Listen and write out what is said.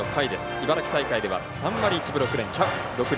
茨城大会では３割６分１厘。